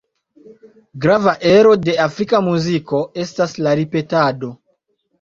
Grava ero de afrika muziko estas la ripetado.